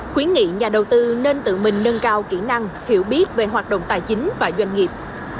khuyến nghị nhà đầu tư nên tự mình nâng cao kỹ năng hiểu biết về hoạt động tài chính và doanh nghiệp